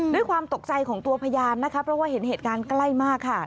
ด้วยความตกใจของตัวพยานนะคะเพราะว่าเห็นเหตุการณ์ใกล้มากค่ะ